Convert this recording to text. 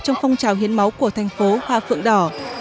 trong phong trào hiến máu của thành phố hoa phượng đỏ